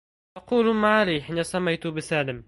تقول المعالي حين سميت بسالم